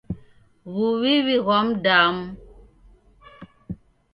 W'uw'iw'i ghwa mdamu.